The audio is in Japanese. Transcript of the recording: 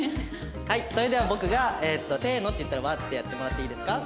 はいそれでは僕が「せーの」って言ったらワーってやってもらっていいですか。